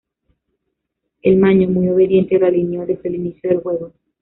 El "Maño" muy obediente, lo alineó desde el inicio del juego.